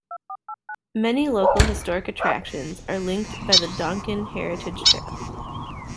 Many local historic attractions are linked by the "Donkin Heritage Trail".